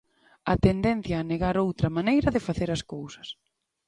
A tendencia a negar outra maneira de facer as cousas.